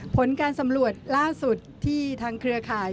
ผลการสำรวจล่าสุดที่ทางเครือข่าย